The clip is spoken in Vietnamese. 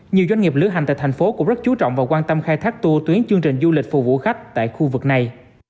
nhiều doanh nghiệp lưu hành tại tp hcm cũng rất chú trọng và quan tâm khai thác tour tuyến chương trình du lịch phù vụ khách tại khu vực này